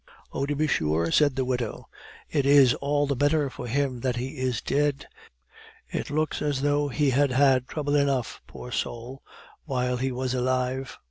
"Oh, to be sure," said the widow, "it is all the better for him that he is dead. It looks as though he had had trouble enough, poor soul, while he was alive."